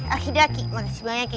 aki daki makasih banyak ian